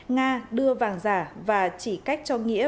nga đưa vàng giả và chỉ cách cho nghĩa